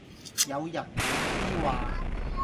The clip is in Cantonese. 有人滿之患